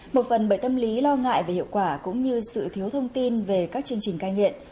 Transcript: một phần bởi tâm lý lo ngại về hiệu quả cũng như sự thiếu thông tin về các chương trình cai nghiện